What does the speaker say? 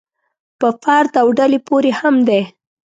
په فرد او ډلې پورې هم دی.